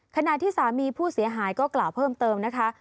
ขณะที่สามีผู้เสียหายก็กล่าวเพิ่มเติมนะคะ